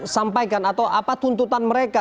sampaikan atau apa tuntutan mereka